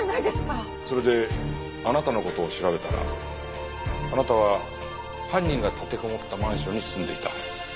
それであなたの事を調べたらあなたは犯人が立てこもったマンションに住んでいた。